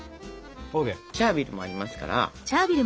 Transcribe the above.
チャービルもありますから。